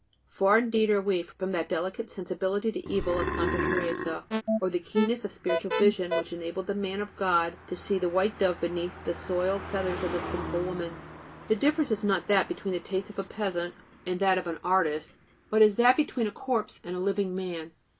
Far indeed are we from the delicate sensibility to evil of Santa Teresa, or the keenness of spiritual vision which enabled the man of God to see the white dove beneath the soiled feathers of the sinful woman. The difference is not as that between the taste of a peasant and that of an artist, but as that between a corpse and a living man.